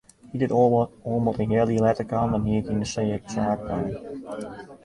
Hie dit oanbod in healjier letter kaam dan hie ik yn de saak bleaun.